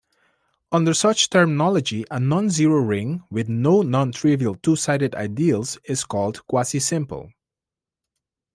Under such terminology a non-zero ring with no non-trivial two-sided ideals is called quasi-simple.